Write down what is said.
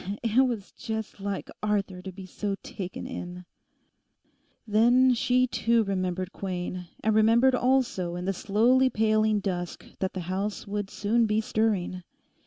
'It was just like Arthur to be so taken in!' Then she too remembered Quain, and remembered also in the slowly paling dusk that the house would soon be stirring.